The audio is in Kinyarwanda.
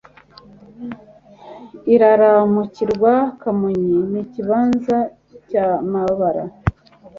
Iraramukirwa Kamonyi N'ikibanza cya Mabara,